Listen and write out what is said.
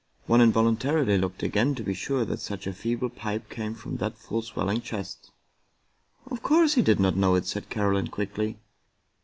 One invokintarily looked again to be sure that such a feeble pipe came from that full swelling chest. " Of course he did not know it," said Caroline quickly.